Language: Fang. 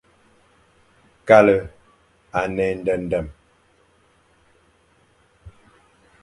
Kale à ne éndendem,